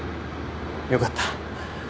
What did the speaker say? よかった。